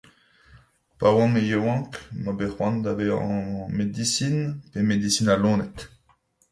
Pa oan me yaouank m'oa bet c'hoant da vezañ medisin pe medisin al loened